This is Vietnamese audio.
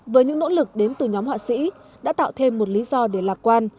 với những nỗ lực đến từ nhóm họa sĩ đã tạo thêm một lý do để lạc quan